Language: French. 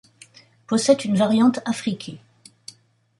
ደ possède une variante affriquée, ጀ.